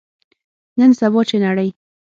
نن سبا، چې نړۍ